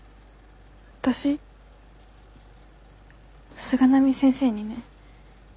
私菅波先生にね。